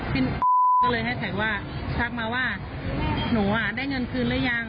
ก็เลยแฮชแท็กว่าทักมาว่าหนูอ่ะได้เงินคืนหรือยัง